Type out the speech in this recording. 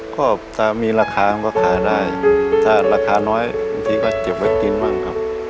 ก็ถ้ามีราคามันก็ขายได้ถ้าราคาน้อยบางทีก็เก็บไว้กินบ้างครับ